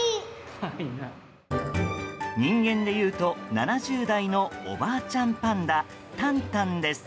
人間でいうと７０代のおばあちゃんパンダタンタンです。